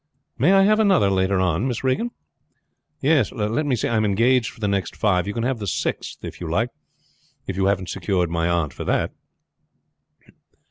"May I have another later on, Miss Regan?" "Yes. Let me see; I am engaged for the next five. You can have the sixth if you like, if you haven't secured my aunt for that."